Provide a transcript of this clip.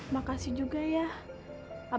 makasih juga ya abang udah bantuin saya